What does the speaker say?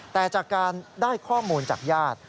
แต่จากการได้ข้อมูลจากญาติ